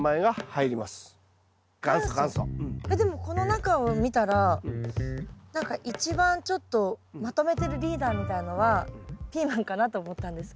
えっでもこの中を見たら何か一番ちょっとまとめてるリーダーみたいのはピーマンかなと思ったんですけど。